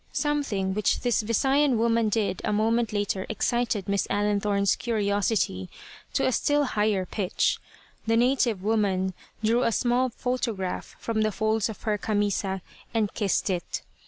Something which this Visayan woman did a moment later excited Miss Allenthorne's curiosity to a still higher pitch. The native woman drew a small photograph from the folds of her "camisa," and kissed it.